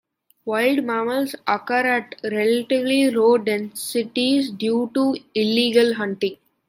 Wild mammals occur at relatively low densities due to illegal hunting.